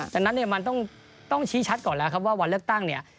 ดังนั้นเนี่ยมันต้องชี้ชัดก่อนแล้วครับว่าวันเลือกตั้งเนี่ย